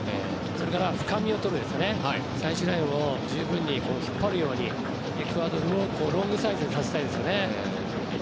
それから深みをとって最終ラインを十分に引っ張るように、エクアドルをロングサイズにさせたいですよね。